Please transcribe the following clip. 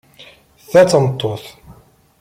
Ta d tameṭṭut.